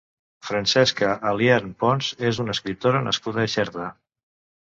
Francesca Aliern Pons és una escriptora nascuda a Xerta.